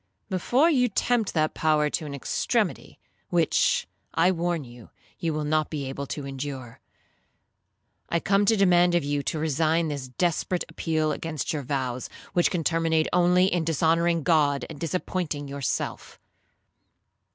'—'Before you tempt that power to an extremity, which, I warn you, you will not be able to endure, I come to demand of you to resign this desperate appeal against your vows, which can terminate only in dishonouring God, and disappointing yourself.'